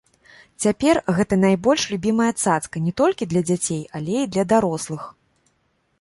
Цяпер гэта найбольш любімая цацка не толькі для дзяцей, але і для дарослых.